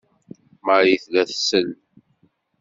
Marie tella tsell.